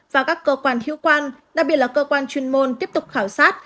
và các cơ quan hữu quan đặc biệt là cơ quan chuyên môn tiếp tục khảo sát